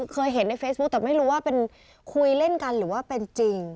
เคยเห็นในเฟซบุ๊คแต่ไม่รู้ว่าเป็นคุยเล่นกันหรือว่าเป็นจริง